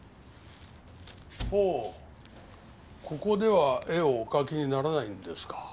ほうここでは絵をお描きにならないんですか？